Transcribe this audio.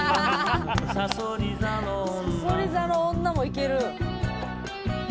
「さそり座の女」もいける。